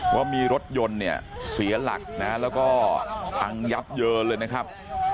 ว่ามีรถยนต์เนี่ยเสียหลักนะแล้วก็พังยับเยินเลยนะครับ